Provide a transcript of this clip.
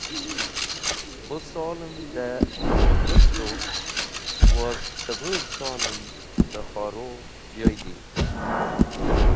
Bu solem dẽ Namadgũt tu woz cẽbũr solem dẽ Khorugh joydi.